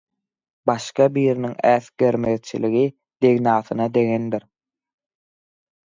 başga biriniň äsgermezçiligi degnasyna degendir